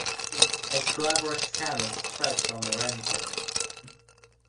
Its glabrous stem is straight from a rhizome.